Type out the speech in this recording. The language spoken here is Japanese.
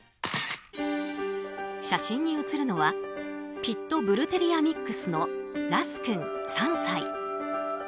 写真に写るのはピットブルテリアミックスのラス君、３歳。